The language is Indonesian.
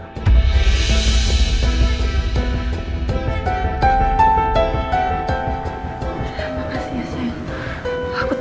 terima kasih ya sayang